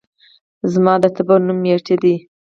زما د ټبر نوم ميټى دى